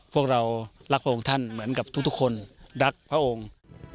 พวกเรารักพระองค์ท่านเหมือนกับทุกคนรักพระองค์